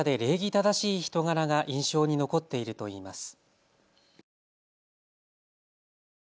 正しい人柄が印象に残っているといいます。